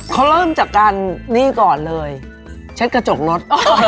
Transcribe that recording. เขาเริ่มจากการนี่ก่อนเลยเช็ดกระจกรถ